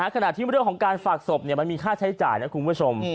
ขณะที่เรื่องของการฝากศพมันมีค่าใช้จ่ายนะคุณผู้ชม